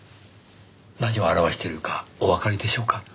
何を表しているかおわかりでしょうか？